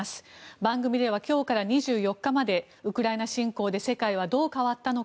番組では、今日から２４日までウクライナ侵攻で世界はどう変わったのか？